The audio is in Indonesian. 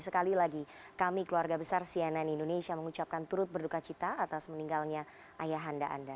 sekali lagi kami keluarga besar cnn indonesia mengucapkan turut berduka cita atas meninggalnya ayah anda anda